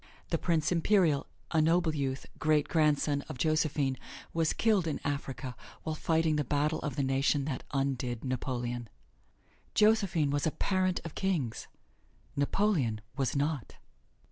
The Prince Imperial a noble youth great grandson of Josephine, was killed in Africa while fighting the battle of the nation that undid Napoleon. Josephine was a parent of kings: Napoleon was not.